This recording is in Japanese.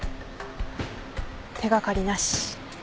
手掛かりなし。